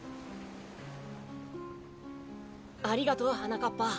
ありがとうはなかっぱ。